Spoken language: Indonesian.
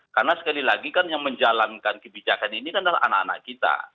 karena sekali lagi kan yang menjalankan kebijakan ini kan adalah anak anak kita